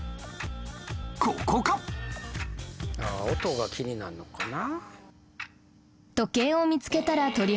あ音が気になんのかな？